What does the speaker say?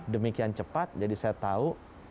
demikian cepat jadi saya tahu